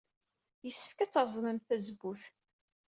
Yessefk ad treẓmem tazewwut?